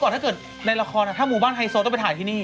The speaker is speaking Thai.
ถ้าเกิดในละครถ้าหมู่บ้านไฮโซต้องไปถ่ายที่นี่